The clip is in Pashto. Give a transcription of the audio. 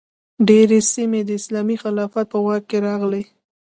ډیرې سیمې د اسلامي خلافت په واک کې راغلې.